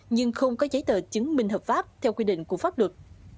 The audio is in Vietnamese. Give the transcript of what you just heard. nhưng không có giấy tờ chứng minh hợp pháp theo quy định của pháp luật